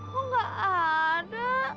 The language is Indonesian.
kok gak ada